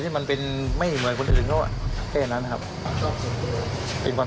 ที่มันเป็นไม่เหมือนคนอื่นเขาอ่ะแค่นั้นครับเป็นความ